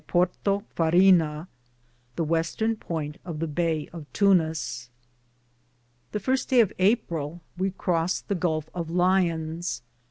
2 Porto Farina, the western point of the Bay of Tunis. 94 DALLAM'S TRAVELS. The firste daye of Aprill we Croste the Gulfe of Lions.